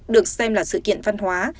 được xem là sự kiện văn hóa